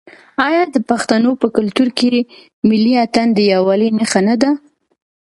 آیا د پښتنو په کلتور کې ملي اتن د یووالي نښه نه ده؟